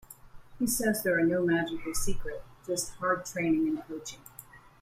He says there are no magical secret, just hard training and coaching.